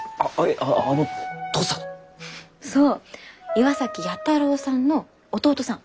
岩崎弥太郎さんの弟さん。